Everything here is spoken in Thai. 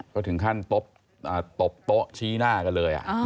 ก็ถึงขั้นตบโต๊ะชี้หน้ากันเลย